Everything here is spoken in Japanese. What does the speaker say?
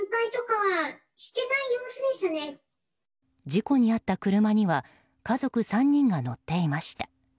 事故に遭った車には家族３人が乗っていました。